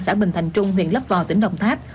xã bình thành trung huyện lấp vò tỉnh đồng tháp